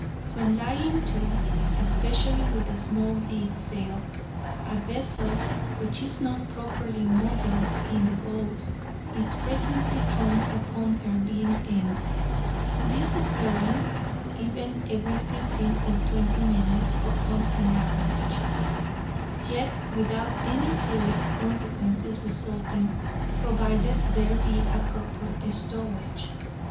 When lying to (especially with a small head sail), a vessel which is not properly modelled in the bows is frequently thrown upon her beam ends; this occurring even every fifteen or twenty minutes upon an average, yet without any serious consequences resulting, provided there be a proper stowage.